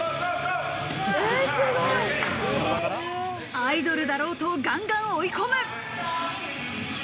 アイドルだろうとガンガン追い込む。